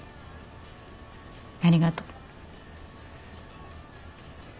ありがとう。